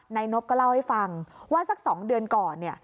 นายนบก็เล่าให้ฟังว่าสัก๒เดือนก่อน